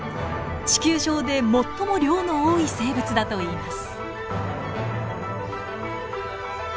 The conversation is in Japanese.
地球上で最も量の多い生物だといいます。